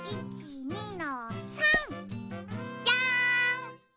１２の３。じゃん。